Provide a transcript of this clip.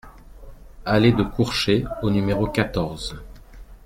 Allée de Courchet au numéro quatorze